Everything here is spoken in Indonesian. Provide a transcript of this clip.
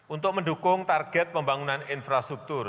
untuk mendukung target pembangunan infrastruktur